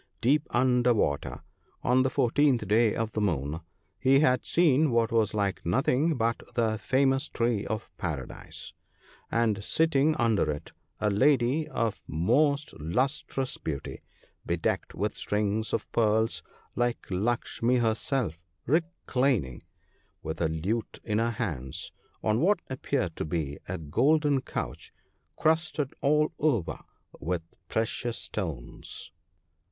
deep under water, on the fourteenth day of the moon, he had seen what was like nothing but the famous tree of Paradise ( 6I ), and sitting under it a lady of most lustrous beauty, bedecked with strings of pearls like Lukshmi her self, reclining, with a lute in her hands, on what appeared to be a golden couch crusted all over with precious stones.